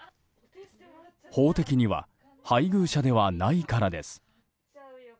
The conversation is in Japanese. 法的には配偶者ではないからです。